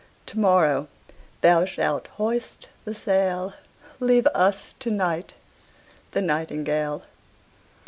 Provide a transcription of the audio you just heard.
To morrow thou shalt hoist the sail; Leave us to night the nightingale.